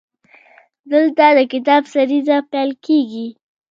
دلته د کتاب سریزه پیل کیږي.